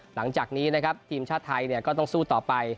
หลังจากนี้นะครับทีมชาติไทยก็ต้องสู้ต่อไป